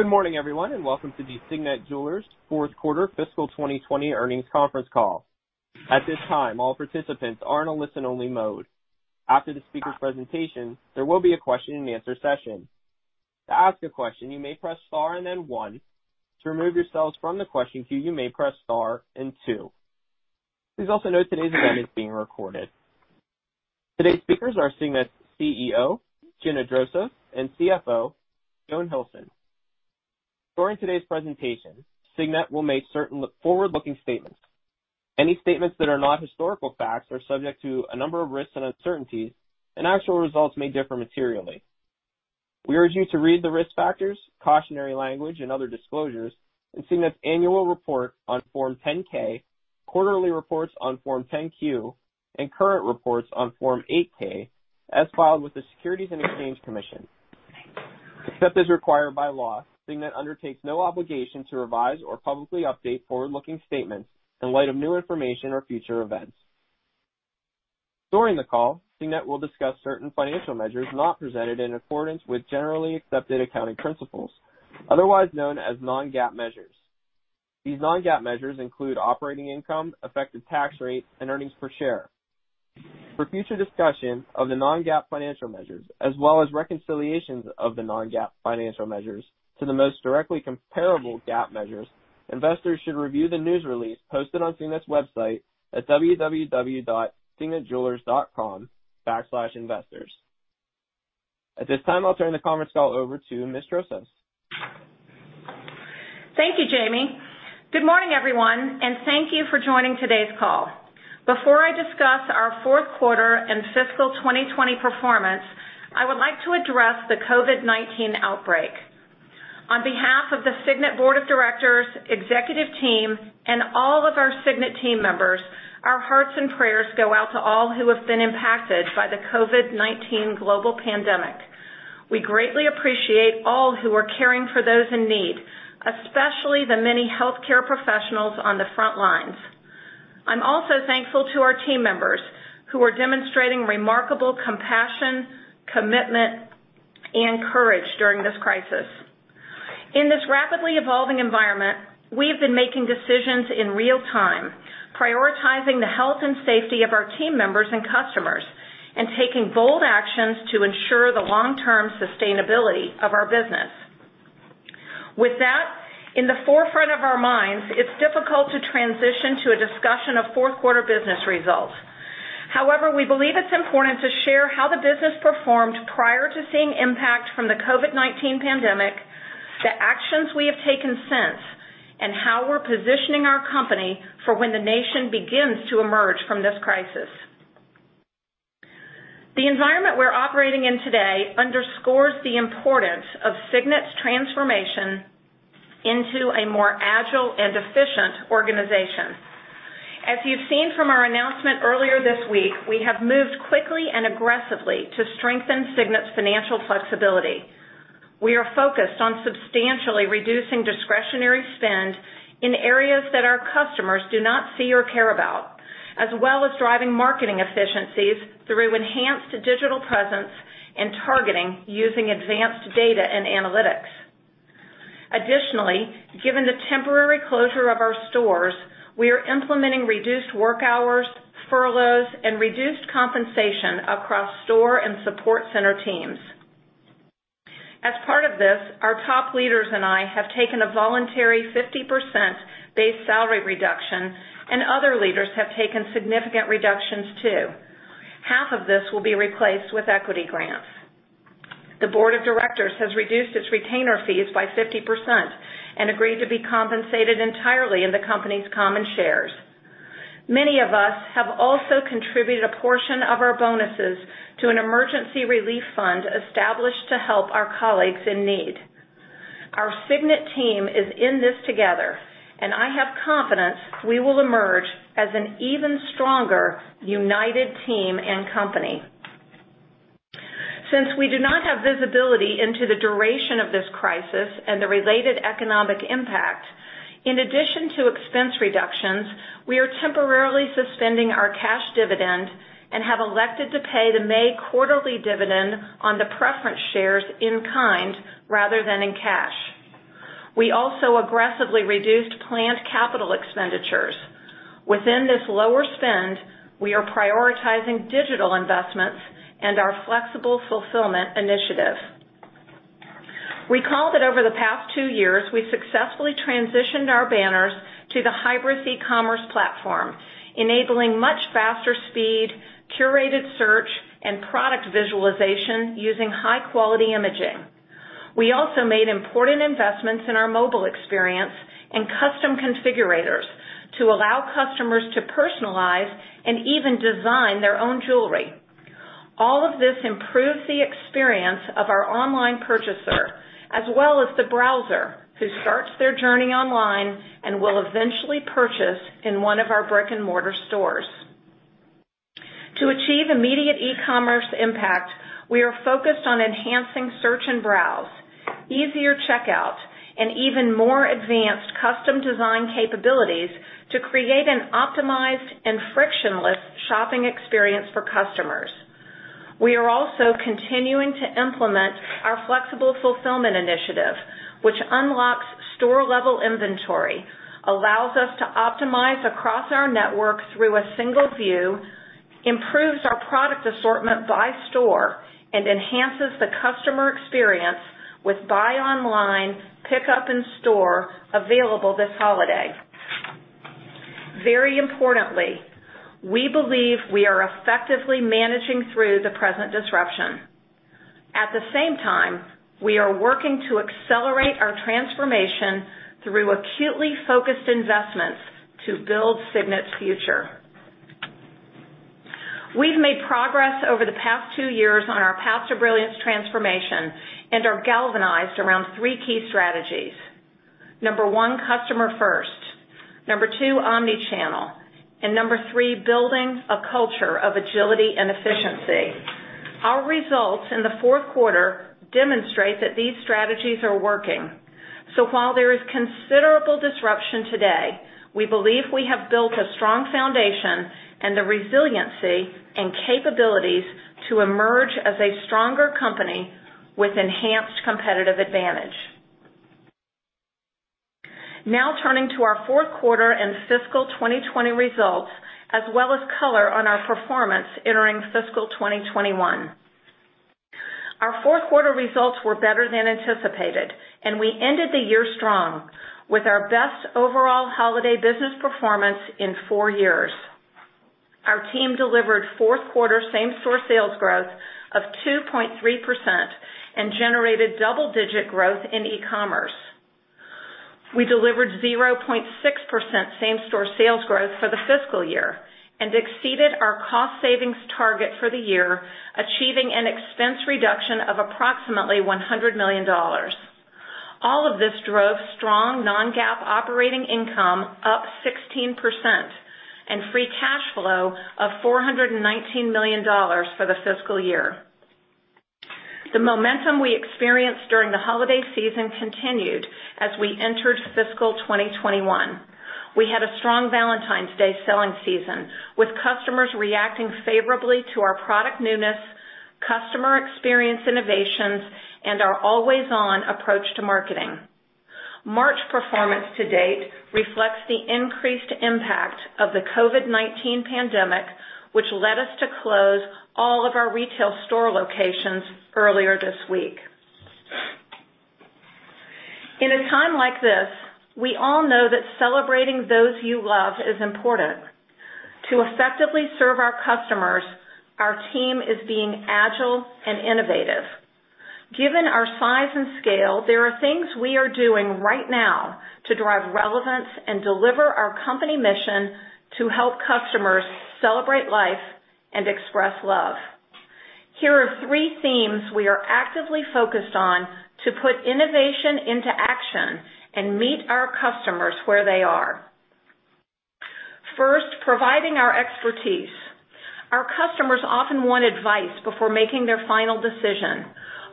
Good morning, everyone, and welcome to the Signet Jewelers Fourth Quarter Fiscal 2020 Earnings Conference Call. At this time, all participants are in a listen-only mode. After the speaker's presentation, there will be a question-and-answer session. To ask a question, you may press star and then one. To remove yourselves from the question queue, you may press star and two. Please also note today's event is being recorded. Today's speakers are Signet's CEO, Gina Drosos, and CFO, Joan Hilson. During today's presentation, Signet will make certain forward-looking statements. Any statements that are not historical facts are subject to a number of risks and uncertainties, and actual results may differ materially. We urge you to read the risk factors, cautionary language, and other disclosures in Signet's annual report on Form 10-K, quarterly reports on Form 10-Q, and current reports on Form 8-K, as filed with the Securities and Exchange Commission. Except as required by law, Signet undertakes no obligation to revise or publicly update forward-looking statements in light of new information or future events. During the call, Signet will discuss certain financial measures not presented in accordance with generally accepted accounting principles, otherwise known as non-GAAP measures. These non-GAAP measures include operating income, effective tax rate, and earnings per share. For future discussion of the non-GAAP financial measures, as well as reconciliations of the non-GAAP financial measures to the most directly comparable GAAP measures, investors should review the news release posted on Signet's website at www.signetjewelers.com/investors. At this time, I'll turn the conference call over to Ms. Drosos. Thank you, Jamie. Good morning, everyone, and thank you for joining today's call. Before I discuss our Fourth Quarter and Fiscal 2020 performance, I would like to address the COVID-19 outbreak. On behalf of the Signet Board of Directors, Executive Team, and all of our Signet team members, our hearts and prayers go out to all who have been impacted by the COVID-19 global pandemic. We greatly appreciate all who are caring for those in need, especially the many healthcare professionals on the front lines. I'm also thankful to our team members who are demonstrating remarkable compassion, commitment, and courage during this crisis. In this rapidly evolving environment, we have been making decisions in real time, prioritizing the health and safety of our team members and customers, and taking bold actions to ensure the long-term sustainability of our business. With that, in the forefront of our minds, it's difficult to transition to a discussion of fourth quarter business results. However, we believe it's important to share how the business performed prior to seeing impact from the COVID-19 pandemic, the actions we have taken since, and how we're positioning our company for when the nation begins to emerge from this crisis. The environment we're operating in today underscores the importance of Signet's transformation into a more agile and efficient organization. As you've seen from our announcement earlier this week, we have moved quickly and aggressively to strengthen Signet's financial flexibility. We are focused on substantially reducing discretionary spend in areas that our customers do not see or care about, as well as driving marketing efficiencies through enhanced digital presence and targeting using advanced data and analytics. Additionally, given the temporary closure of our stores, we are implementing reduced work hours, furloughs, and reduced compensation across store and support center teams. As part of this, our top leaders and I have taken a voluntary 50% base salary reduction, and other leaders have taken significant reductions too. Half of this will be replaced with equity grants. The Board of Directors has reduced its retainer fees by 50% and agreed to be compensated entirely in the company's common shares. Many of us have also contributed a portion of our bonuses to an emergency relief fund established to help our colleagues in need. Our Signet team is in this together, and I have confidence we will emerge as an even stronger, united team and company. Since we do not have visibility into the duration of this crisis and the related economic impact, in addition to expense reductions, we are temporarily suspending our cash dividend and have elected to pay the May quarterly dividend on the preference shares in kind rather than in cash. We also aggressively reduced planned capital expenditures. Within this lower spend, we are prioritizing digital investments and our flexible fulfillment initiative. We called it over the past two years, we successfully transitioned our banners to the hybrid e-commerce platform, enabling much faster speed, curated search, and product visualization using high-quality imaging. We also made important investments in our mobile experience and custom configurators to allow customers to personalize and even design their own jewelry. All of this improves the experience of our online purchaser, as well as the browser who starts their journey online and will eventually purchase in one of our brick-and-mortar stores. To achieve immediate e-commerce impact, we are focused on enhancing search and browse, easier checkout, and even more advanced custom-design capabilities to create an optimized and frictionless shopping experience for customers. We are also continuing to implement our flexible fulfillment initiative, which unlocks store-level inventory, allows us to optimize across our network through a single view, improves our product assortment by store, and enhances the customer experience with buy online, pick up in store available this holiday. Very importantly, we believe we are effectively managing through the present disruption. At the same time, we are working to accelerate our transformation through acutely focused investments to build Signet's future. We've made progress over the past two years on our Path to Brilliance transformation and are galvanized around three-key strategies. Number one, customer first. Number two, omnichannel. Number three, building a culture of agility and efficiency. Our results in the fourth quarter demonstrate that these strategies are working. While there is considerable disruption today, we believe we have built a strong foundation and the resiliency and capabilities to emerge as a stronger company with enhanced competitive advantage. Now turning to our fourth quarter and fiscal 2020 results, as well as color on our performance entering fiscal 2021. Our fourth quarter results were better than anticipated, and we ended the year strong with our best overall holiday business performance in four years. Our team delivered fourth quarter same-store sales growth of 2.3% and generated double-digit growth in e-commerce. We delivered 0.6% same-store sales growth for the fiscal year and exceeded our cost savings target for the year, achieving an expense reduction of approximately $100 million. All of this drove strong non-GAAP operating income up 16% and free cash flow of $419 million for the fiscal year. The momentum we experienced during the holiday season continued as we entered fiscal 2021. We had a strong Valentine's Day selling season, with customers reacting favorably to our product newness, customer experience innovations, and our always-on approach to marketing. March performance to date reflects the increased impact of the COVID-19 pandemic, which led us to close all of our retail store locations earlier this week. In a time like this, we all know that celebrating those you love is important. To effectively serve our customers, our team is being agile and innovative. Given our size and scale, there are things we are doing right now to drive relevance and deliver our company mission to help customers celebrate life and express love. Here are three themes we are actively focused on to put innovation into action and meet our customers where they are. First, providing our expertise. Our customers often want advice before making their final decision.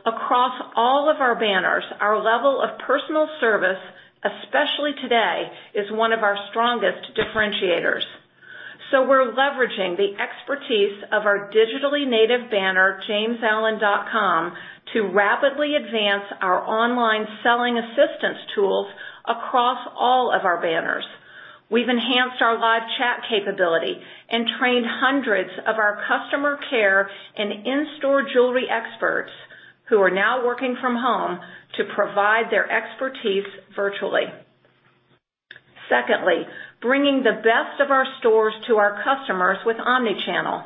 Across all of our banners, our level of personal service, especially today, is one of our strongest differentiators. We are leveraging the expertise of our digitally native banner, jamesallen.com, to rapidly advance our online selling assistance tools across all of our banners. We have enhanced our live chat capability and trained hundreds of our customer care and in-store jewelry experts who are now working from home to provide their expertise virtually. Secondly, bringing the best of our stores to our customers with omnichannel.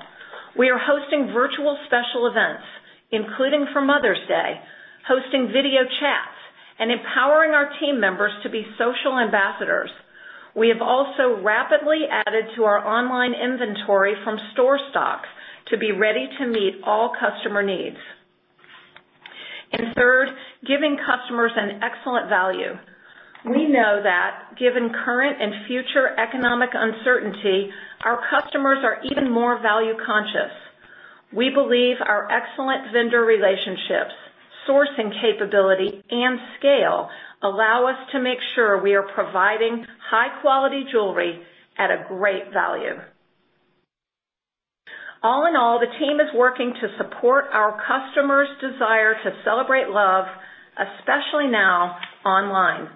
We are hosting virtual special events, including for Mother's Day, hosting video chats, and empowering our team members to be social ambassadors. We have also rapidly added to our online inventory from store stocks to be ready to meet all customer needs. Third, giving customers an excellent value. We know that given current and future economic uncertainty, our customers are even more value-conscious. We believe our excellent vendor relationships, sourcing capability, and scale allow us to make sure we are providing high-quality jewelry at a great value. All in all, the team is working to support our customers' desire to celebrate love, especially now online.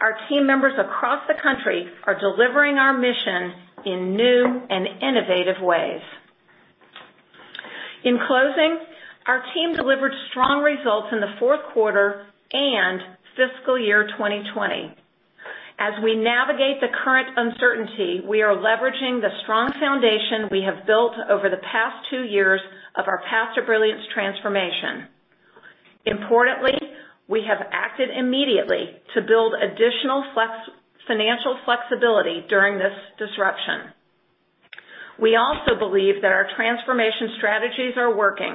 Our team members across the country are delivering our mission in new and innovative ways. In closing, our team delivered strong results in the fourth quarter and fiscal year 2020. As we navigate the current uncertainty, we are leveraging the strong foundation we have built over the past two years of our Path to Brilliance transformation. Importantly, we have acted immediately to build additional financial flexibility during this disruption. We also believe that our transformation strategies are working,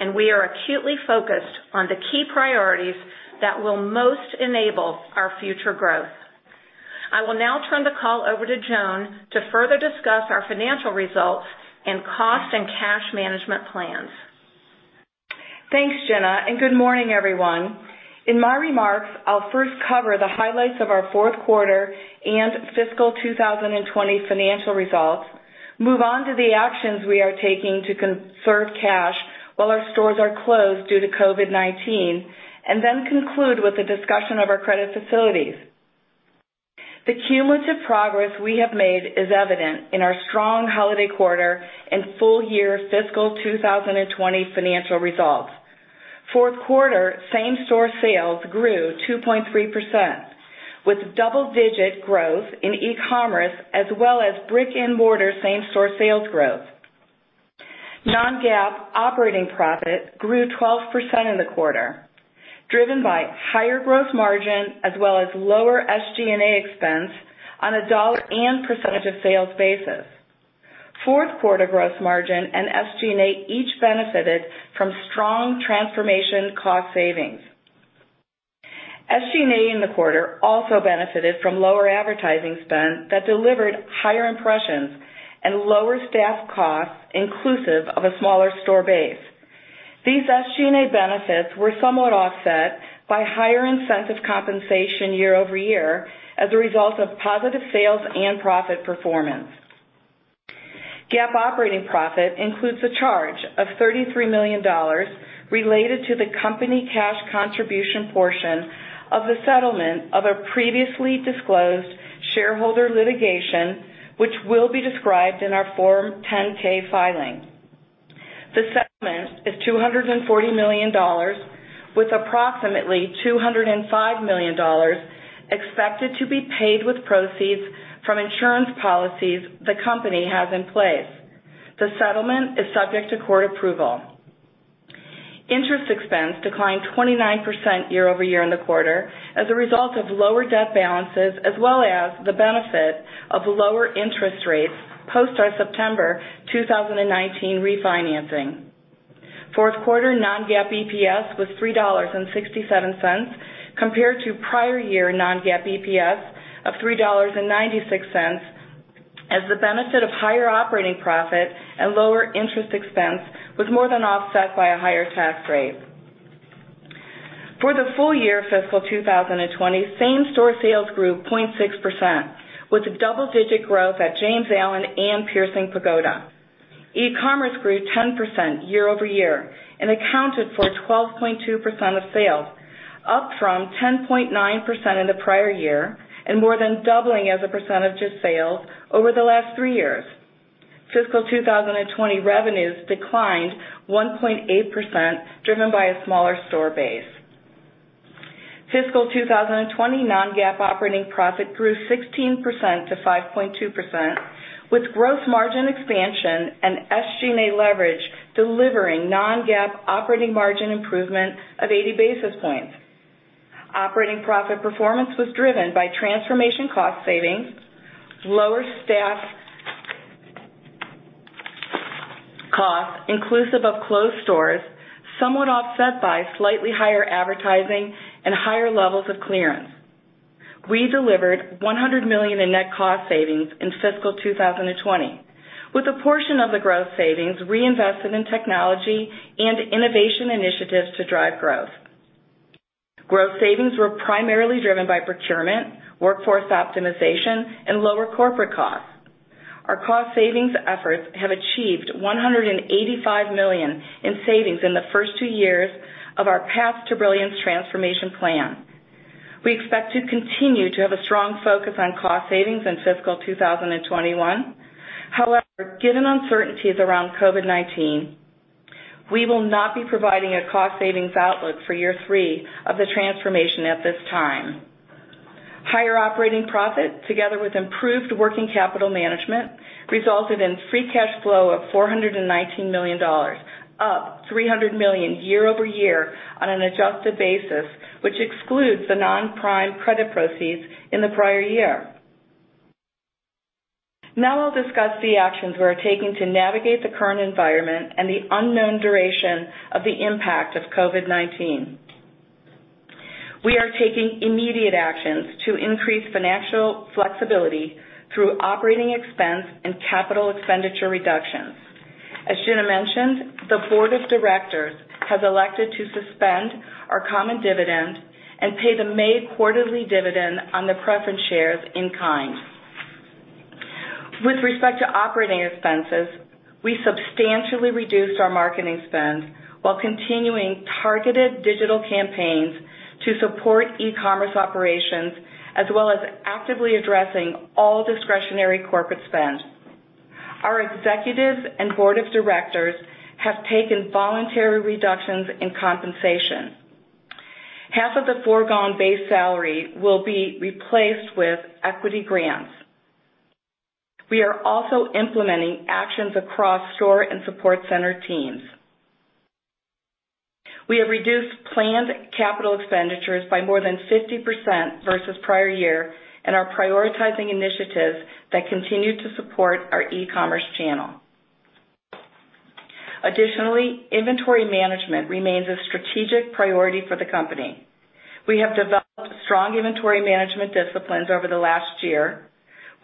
and we are acutely focused on the key priorities that will most enable our future growth. I will now turn the call over to Joan to further discuss our financial results and cost and cash management plans. Thanks, Gina, and good morning, everyone. In my remarks, I'll first cover the highlights of our fourth quarter and fiscal 2020 financial results, move on to the actions we are taking to conserve cash while our stores are closed due to COVID-19, and then conclude with the discussion of our credit facilities. The cumulative progress we have made is evident in our strong holiday quarter and full year fiscal 2020 financial results. Fourth quarter, same-store sales grew 2.3%, with double-digit growth in e-commerce as well as brick-and-mortar same-store sales growth. Non-GAAP operating profit grew 12% in the quarter, driven by higher gross margin as well as lower SG&A expense on a dollar and percentage of sales basis. Fourth quarter gross margin and SG&A each benefited from strong transformation cost savings. SG&A in the quarter also benefited from lower advertising spend that delivered higher impressions and lower staff costs, inclusive of a smaller store base. These SG&A benefits were somewhat offset by higher incentive compensation year-over-year as a result of positive sales and profit performance. GAAP operating profit includes a charge of $33 million related to the company cash contribution portion of the settlement of a previously disclosed shareholder litigation, which will be described in our Form 10-K filing. The settlement is $240 million, with approximately $205 million expected to be paid with proceeds from insurance policies the company has in place. The settlement is subject to court approval. Interest expense declined 29% year-over-year in the quarter as a result of lower debt balances, as well as the benefit of lower interest rates post our September 2019 refinancing. Fourth quarter non-GAAP EPS was $3.67 compared to prior year non-GAAP EPS of $3.96, as the benefit of higher operating profit and lower interest expense was more than offset by a higher tax rate. For the full year fiscal 2020, same-store sales grew 0.6%, with double-digit growth at James Allen and Piercing Pagoda. E-commerce grew 10% year-over-year and accounted for 12.2% of sales, up from 10.9% in the prior year and more than doubling as a percentage of sales over the last three years. Fiscal 2020 revenues declined 1.8%, driven by a smaller store base. Fiscal 2020 non-GAAP operating profit grew 16% to 5.2%, with gross margin expansion and SG&A leverage delivering non-GAAP operating margin improvement of 80 basis points. Operating profit performance was driven by transformation cost savings, lower staff costs, inclusive of closed stores, somewhat offset by slightly higher advertising and higher levels of clearance. We delivered $100 million in net cost savings in fiscal 2020, with a portion of the gross savings reinvested in technology and innovation initiatives to drive growth. Gross savings were primarily driven by procurement, workforce optimization, and lower corporate costs. Our cost savings efforts have achieved $185 million in savings in the first two years of our Path to Brilliance transformation plan. We expect to continue to have a strong focus on cost savings in fiscal 2021. However, given uncertainties around COVID-19, we will not be providing a cost savings outlook for year three of the transformation at this time. Higher operating profit, together with improved working capital management, resulted in free cash flow of $419 million, up $300 million year-over-year on an adjusted basis, which excludes the non-prime credit proceeds in the prior year. Now I'll discuss the actions we are taking to navigate the current environment and the unknown duration of the impact of COVID-19. We are taking immediate actions to increase financial flexibility through operating expense and capital expenditure reductions. As Gina mentioned, the board of directors has elected to suspend our common dividend and pay the May quarterly dividend on the preference shares in kind. With respect to operating expenses, we substantially reduced our marketing spend while continuing targeted digital campaigns to support e-commerce operations, as well as actively addressing all discretionary corporate spend. Our executives and board of directors have taken voluntary reductions in compensation. Half of the foregone base salary will be replaced with equity grants. We are also implementing actions across store and support center teams. We have reduced planned capital expenditures by more than 50% versus prior year and are prioritizing initiatives that continue to support our e-commerce channel. Additionally, inventory management remains a strategic priority for the company. We have developed strong inventory management disciplines over the last year,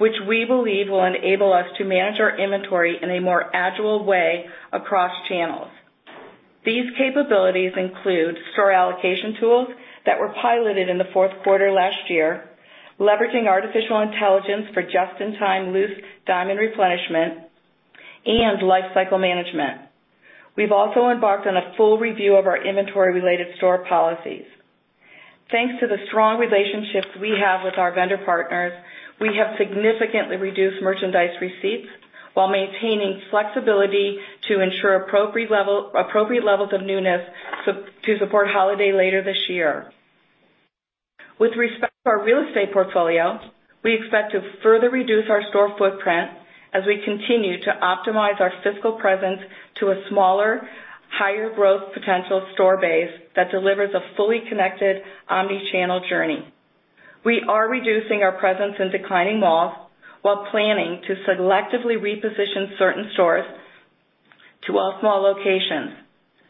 which we believe will enable us to manage our inventory in a more agile way across channels. These capabilities include store allocation tools that were piloted in the fourth quarter last year, leveraging artificial intelligence for just-in-time loose diamond replenishment, and life cycle management. We've also embarked on a full review of our inventory-related store policies. Thanks to the strong relationships we have with our vendor partners, we have significantly reduced merchandise receipts while maintaining flexibility to ensure appropriate levels of newness to support holiday later this year. With respect to our real estate portfolio, we expect to further reduce our store footprint as we continue to optimize our fiscal presence to a smaller, higher growth potential store base that delivers a fully connected omnichannel journey. We are reducing our presence in declining malls while planning to selectively reposition certain stores to off-mall locations.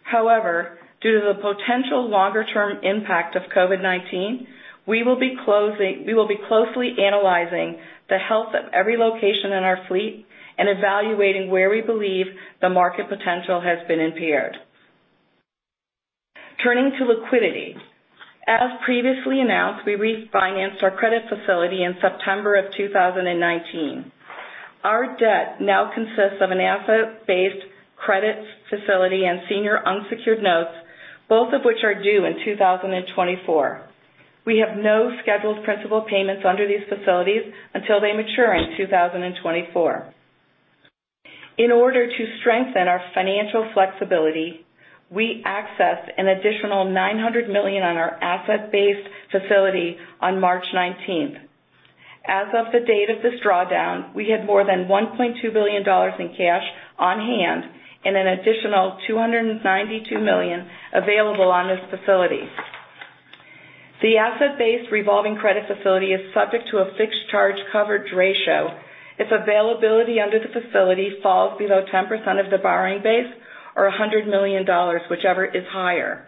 However, due to the potential longer-term impact of COVID-19, we will be closely analyzing the health of every location in our fleet and evaluating where we believe the market potential has been impaired. Turning to liquidity. As previously announced, we refinanced our credit facility in September of 2019. Our debt now consists of an asset-based credit facility and senior unsecured notes, both of which are due in 2024. We have no scheduled principal payments under these facilities until they mature in 2024. In order to strengthen our financial flexibility, we accessed an additional $900 million on our asset-based facility on March 19th. As of the date of this drawdown, we had more than $1.2 billion in cash on hand and an additional $292 million available on this facility. The asset-based revolving credit facility is subject to a fixed charge coverage ratio. Its availability under the facility falls below 10% of the borrowing base or $100 million, whichever is higher.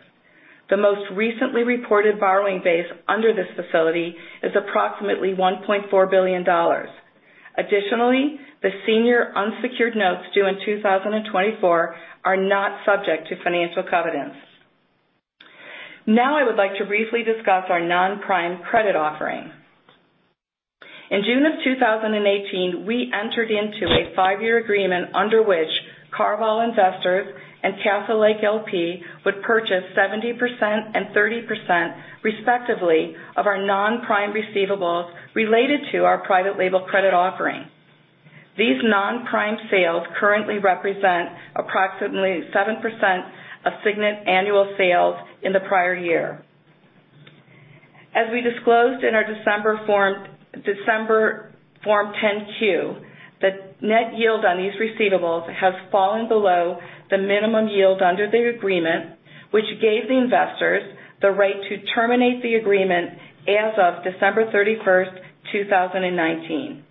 The most recently reported borrowing base under this facility is approximately $1.4 billion. Additionally, the senior unsecured notes due in 2024 are not subject to financial covenants. Now I would like to briefly discuss our non-prime credit offering. In June of 2018, we entered into a five-year agreement under which Carvewall Investors and Castle Lake LP would purchase 70% and 30%, respectively, of our non-prime receivables related to our private label credit offering. These non-prime sales currently represent approximately 7% of Signet annual sales in the prior year. As we disclosed in our December Form 10-Q, the net yield on these receivables has fallen below the minimum yield under the agreement, which gave the investors the right to terminate the agreement as of December 31, 2019.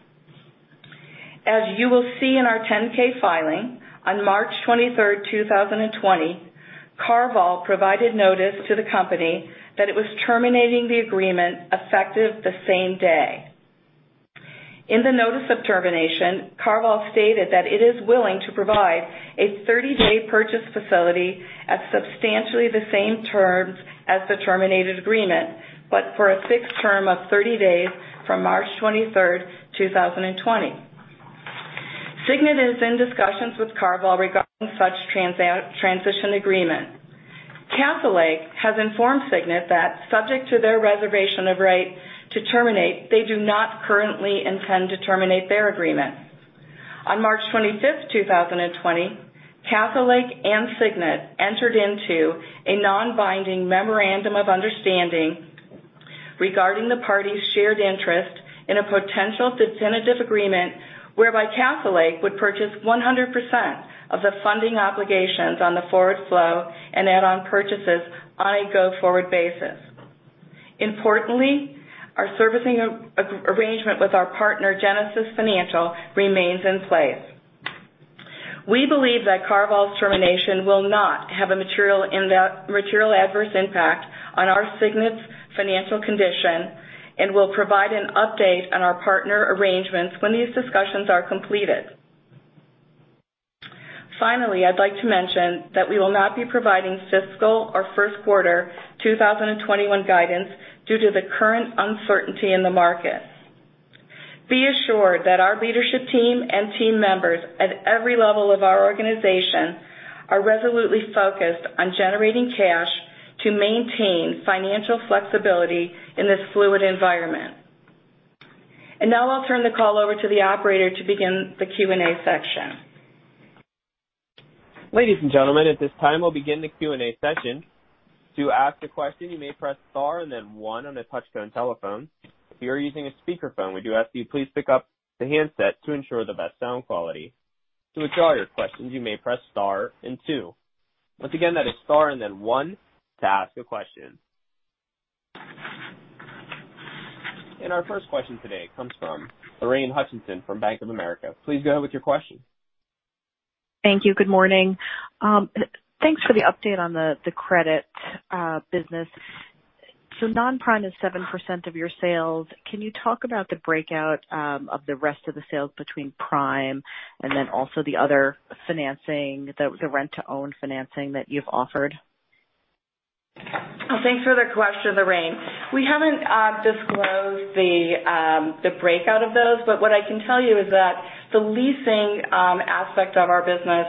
As you will see in our 10-K filing, on March 23, 2020, Carvewall provided notice to the company that it was terminating the agreement effective the same day. In the notice of termination, Carvewall stated that it is willing to provide a 30-day purchase facility at substantially the same terms as the terminated agreement, but for a fixed term of 30 days from March 23, 2020. Signet is in discussions with Carvewall regarding such transition agreement. Castle Lake has informed Signet that, subject to their reservation of right to terminate, they do not currently intend to terminate their agreement. On March 25th, 2020, Castle Lake and Signet entered into a non-binding memorandum of understanding regarding the parties' shared interest in a potential definitive agreement whereby Castle Lake would purchase 100% of the funding obligations on the forward flow and add-on purchases on a go-forward basis. Importantly, our servicing arrangement with our partner, Genesis Financial, remains in place. We believe that Carvewall's termination will not have a material adverse impact on our financial condition and will provide an update on our partner arrangements when these discussions are completed. Finally, I'd like to mention that we will not be providing fiscal or first quarter 2021 guidance due to the current uncertainty in the market. Be assured that our leadership team and team members at every level of our organization are resolutely focused on generating cash to maintain financial flexibility in this fluid environment. Now I'll turn the call over to the operator to begin the Q&A section. Ladies and gentlemen, at this time, we'll begin the Q&A session. To ask a question, you may press star and then one on a touchscreen telephone. If you're using a speakerphone, we do ask that you please pick up the handset to ensure the best sound quality. To withdraw your questions, you may press star and two. Once again, that is star and then one to ask a question. Our first question today comes from Lorraine Hutchinson from Bank of America. Please go ahead with your question. Thank you. Good morning. Thanks for the update on the credit business. Non-prime is 7% of your sales. Can you talk about the breakout of the rest of the sales between prime and then also the other financing, the rent-to-own financing that you've offered? Thanks for the question, Lorraine. We haven't disclosed the breakout of those, but what I can tell you is that the leasing aspect of our business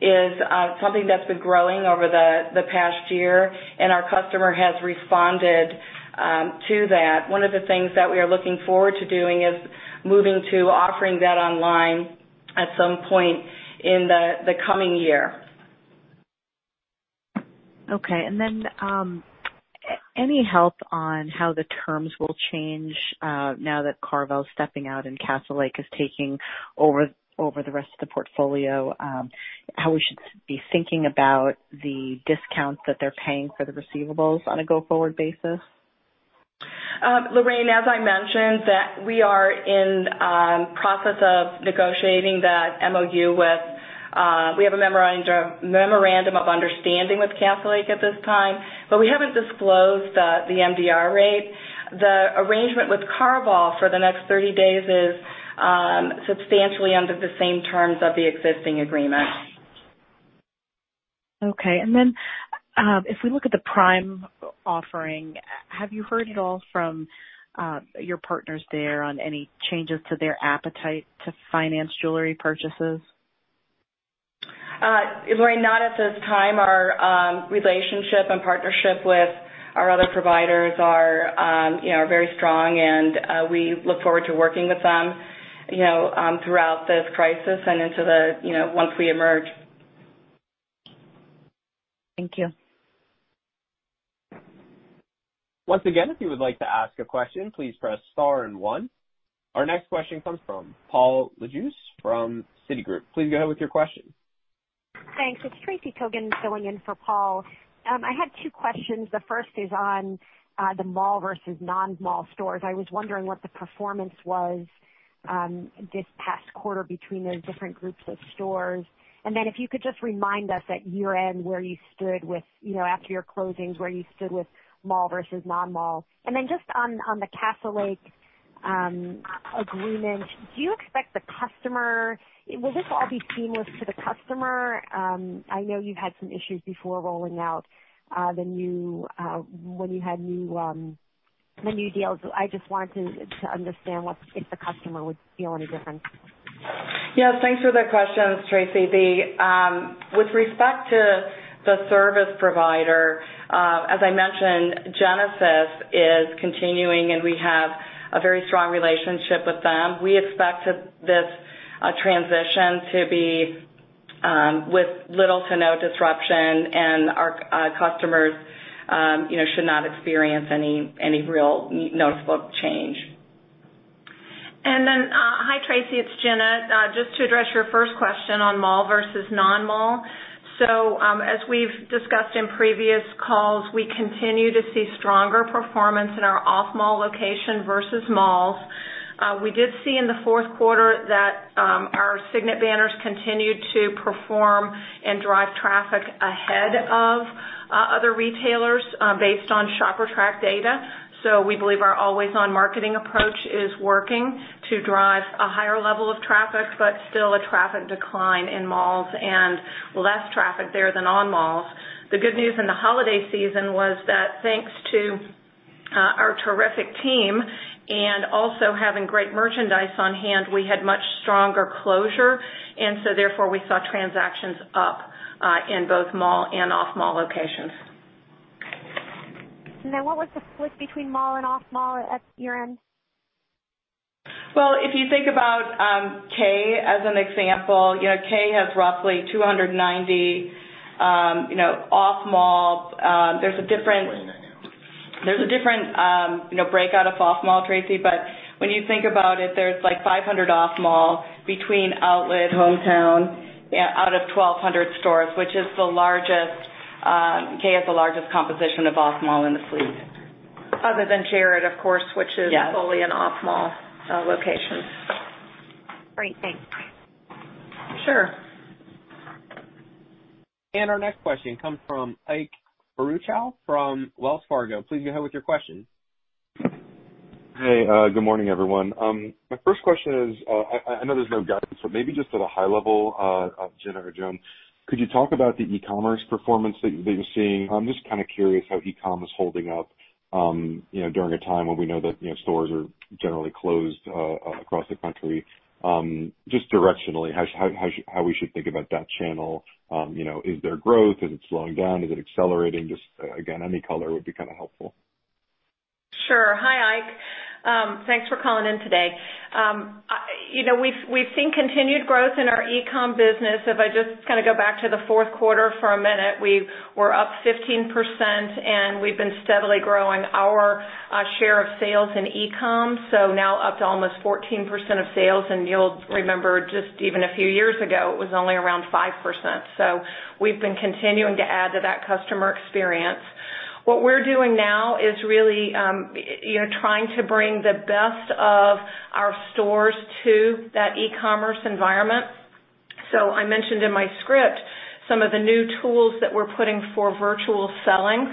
is something that's been growing over the past year, and our customer has responded to that. One of the things that we are looking forward to doing is moving to offering that online at some point in the coming year. Okay. Any help on how the terms will change now that Carvewall's stepping out and Castle Lake is taking over the rest of the portfolio, how we should be thinking about the discounts that they're paying for the receivables on a go-forward basis? Lorraine, as I mentioned, we are in the process of negotiating that MOU with, we have a memorandum of understanding with Castle Lake at this time, but we haven't disclosed the MDR rate. The arrangement with Carvewall for the next 30 days is substantially under the same terms of the existing agreement. Okay. And then if we look at the prime offering, have you heard at all from your partners there on any changes to their appetite to finance jewelry purchases? Lorraine, not at this time. Our relationship and partnership with our other providers are very strong, and we look forward to working with them throughout this crisis and into the once we emerge. Thank you. Once again, if you would like to ask a question, please press star and one. Our next question comes from Paul Lejuez from Citigroup. Please go ahead with your question. Thanks. It's Tracy Togan filling in for Paul. I had two questions. The first is on the mall versus non-mall stores. I was wondering what the performance was this past quarter between those different groups of stores. If you could just remind us at year-end where you stood with, after your closings, where you stood with mall versus non-mall. Just on the Castle Lake agreement, do you expect the customer, will this all be seamless to the customer? I know you've had some issues before rolling out the new, when you had new deals. I just wanted to understand if the customer would feel any different. Yes. Thanks for the questions, Tracy. With respect to the service provider, as I mentioned, Genesis is continuing, and we have a very strong relationship with them. We expect this transition to be with little to no disruption, and our customers should not experience any real noticeable change. Hi Tracy, it's Gina. Just to address your first question on mall versus non-mall. As we've discussed in previous calls, we continue to see stronger performance in our off-mall location versus malls. We did see in the fourth quarter that our Signet banners continued to perform and drive traffic ahead of other retailers based on ShopperTrack data. We believe our always-on marketing approach is working to drive a higher level of traffic, but still a traffic decline in malls and less traffic there than on malls. The good news in the holiday season was that thanks to our terrific team and also having great merchandise on hand, we had much stronger closure, and so therefore we saw transactions up in both mall and off-mall locations. Okay. What was the split between mall and off-mall at year-end? If you think about Kay as an example, Kay has roughly 290 off-mall. There's a different breakout of off-mall, Tracy, but when you think about it, there's like 500 off-mall between outlet, hometown, out of 1,200 stores, which is the largest. Kay has the largest composition of off-mall in the fleet. Other than Jared, of course, which is solely an off-mall location. Great. Thanks. Sure. Our next question comes from Ike Boruchow from Wells Fargo. Please go ahead with your question. Hey, good morning, everyone. My first question is I know there's no guidance, but maybe just at a high level, Gina or Joan, could you talk about the e-commerce performance that you're seeing? I'm just kind of curious how e-comm is holding up during a time when we know that stores are generally closed across the country. Just directionally, how we should think about that channel. Is there growth? Is it slowing down? Is it accelerating? Just, again, any color would be kind of helpful. Sure. Hi, Ike. Thanks for calling in today. We've seen continued growth in our e-comm business. If I just kind of go back to the fourth quarter for a minute, we were up 15%, and we've been steadily growing our share of sales in e-comm, so now up to almost 14% of sales. You'll remember, just even a few years ago, it was only around 5%. We've been continuing to add to that customer experience. What we're doing now is really trying to bring the best of our stores to that e-commerce environment. I mentioned in my script some of the new tools that we're putting for virtual selling.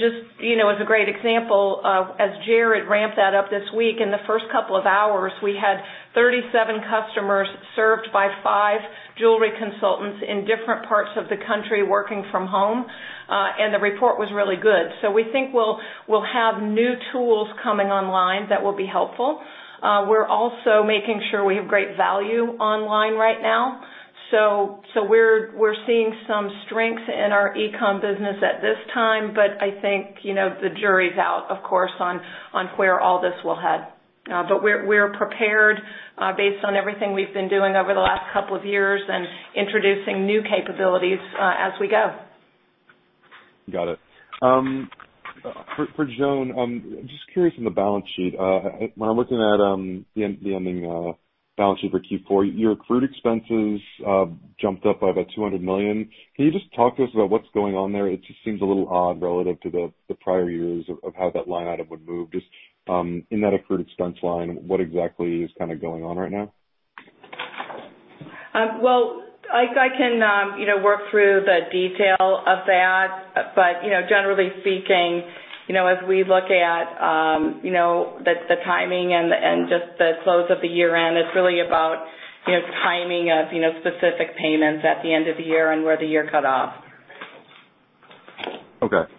Just as a great example, as Jared ramped that up this week, in the first couple of hours, we had 37 customers served by five jewelry consultants in different parts of the country working from home, and the report was really good. We think we'll have new tools coming online that will be helpful. We're also making sure we have great value online right now. We're seeing some strengths in our e-comm business at this time, but I think the jury's out, of course, on where all this will head. We're prepared based on everything we've been doing over the last couple of years and introducing new capabilities as we go. Got it. For Joan, I'm just curious on the balance sheet. When I'm looking at the ending balance sheet for Q4, your accrued expenses jumped up by about $200 million. Can you just talk to us about what's going on there? It just seems a little odd relative to the prior years of how that line item would move. Just in that accrued expense line, what exactly is kind of going on right now? I can work through the detail of that, but generally speaking, as we look at the timing and just the close of the year-end, it's really about timing of specific payments at the end of the year and where the year cut off. Okay.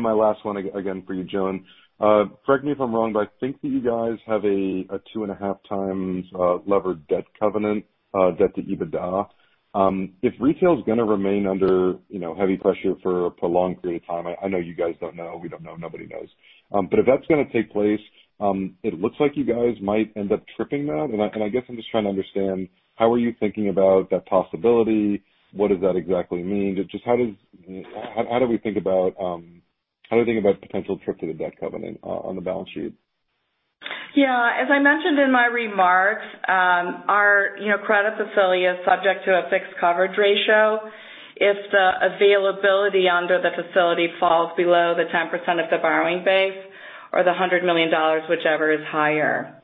My last one, again, for you, Joan. Correct me if I'm wrong, but I think that you guys have a two-and-a-half-times levered debt covenant, debt to EBITDA. If retail's going to remain under heavy pressure for a prolonged period of time, I know you guys don't know. We don't know. Nobody knows. If that's going to take place, it looks like you guys might end up tripping that. I guess I'm just trying to understand how are you thinking about that possibility? What does that exactly mean? Just how do we think about how do we think about potential trip to the debt covenant on the balance sheet? Yeah. As I mentioned in my remarks, our credit facility is subject to a fixed charge coverage ratio if the availability under the facility falls below 10% of the borrowing base or $100 million, whichever is higher.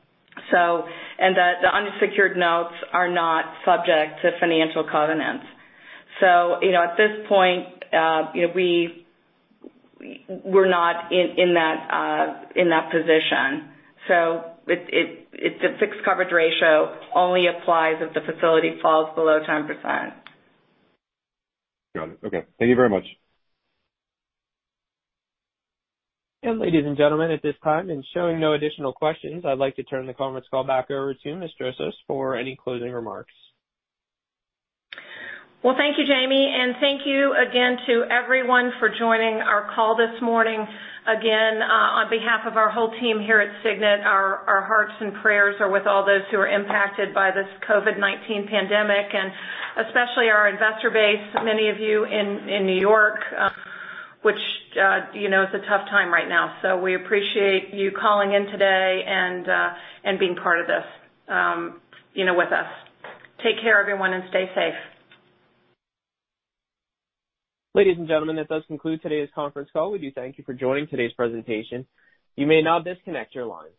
The unsecured notes are not subject to financial covenants. At this point, we're not in that position. The fixed coverage ratio only applies if the facility falls below 10%. Got it. Okay. Thank you very much. Ladies and gentlemen, at this time, and showing no additional questions, I'd like to turn the conference call back over to Ms. Drosos for any closing remarks. Thank you, Jamie. Thank you again to everyone for joining our call this morning. Again, on behalf of our whole team here at Signet, our hearts and prayers are with all those who are impacted by this COVID-19 pandemic, and especially our investor base, many of you in New York, which is a tough time right now. We appreciate you calling in today and being part of this with us. Take care, everyone, and stay safe. Ladies and gentlemen, that does conclude today's conference call. We do thank you for joining today's presentation. You may now disconnect your line.